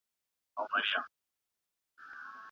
د کندهار ښار چا ونیوی؟